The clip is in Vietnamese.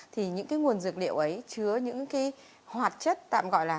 thì những cái nguồn dược liệu ấy chứa những cái hoạt chất tạm gọi là